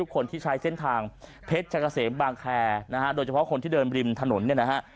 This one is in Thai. คนที่ใช้เส้นทางเพชรชะกะเสมบางแคร์นะฮะโดยเฉพาะคนที่เดินบริมถนนเนี่ยนะฮะ